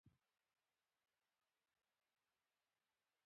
خلک باید د رواني روغتیا لپاره کولمو ته پاملرنه وکړي.